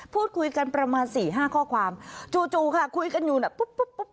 พูดคุยกันประมาณสี่ห้าข้อความจู่ค่ะคุยกันอยู่น่ะปุ๊บปุ๊บ